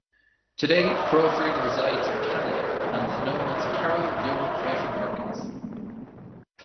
Today, Crawford resides in Canada, and is known as Carole Joan Crawford-Merkens.